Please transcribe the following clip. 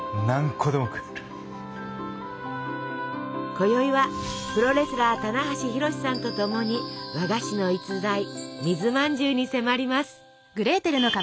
こよいはプロレスラー棚橋弘至さんと共に和菓子の逸材水まんじゅうに迫ります。